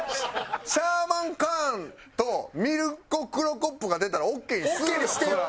「シャーマンカーン」と「ミルコ・クロコップ」が出たらオーケーにするよ